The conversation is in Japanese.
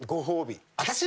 私？